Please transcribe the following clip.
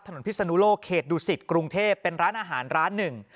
พิศนุโลกเขตดูสิตกรุงเทพเป็นร้านอาหารร้านหนึ่ง